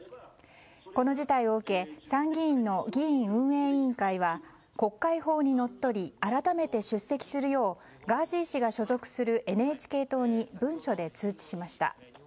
この事態を受け参議院の議院運営委員会は国会法に則り改めて出席するようガーシー氏が所属するＮＨＫ党に文書で通知しました。